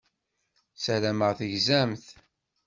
Ssarameɣ tegzamt.